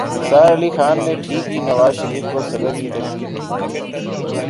نثار علی خان نے ٹھیک ہی نواز شریف کو صبر کی تلقین کی۔